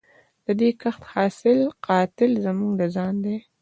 د دې کښت حاصل قاتل زموږ د ځان دی